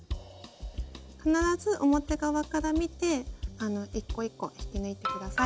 必ず表側から見て一個一個引き抜いて下さい。